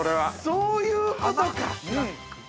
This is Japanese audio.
◆そういうことか。